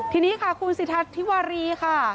ทีนี้คุณสิทธาฐิวรีค่ะ